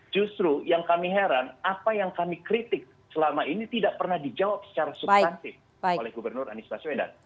justru yang kami heran apa yang kami kritik selama ini tidak pernah dijawab secara substantif oleh gubernur anies baswedan